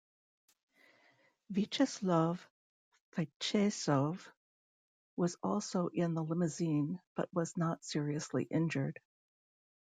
Viacheslav Fetisov was also in the limousine but was not seriously injured.